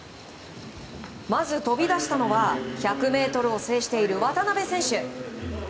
まず飛び出したのは１００ｍを制している渡辺選手。